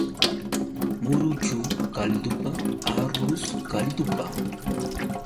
Muruchu kaldupa, arrus kaldupa.